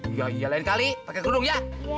iya iya lain kali pakai kerudung ya